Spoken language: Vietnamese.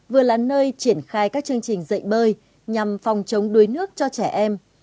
vừa là nơi triển khai các chương trình dạy bơi nhằm phòng chống đuối nước cho trẻ em